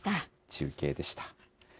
中継でした。